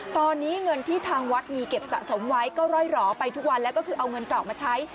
ตอนนี้เงินที่ทางวัดมีเก็บสะสมไว้ก็ร่อยหล่อไปทุกวันแล้วก็คือเอาเงินเก่ามาใช้